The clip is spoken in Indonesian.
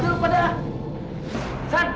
terima kasih bu